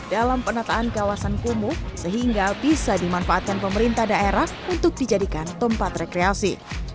dalam penataan kawasan kumuh sehingga bisa dimanfaatkan pemerintah daerah untuk dijadikan tempat rekreasi